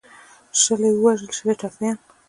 شل یې ووژل شل ټپیان.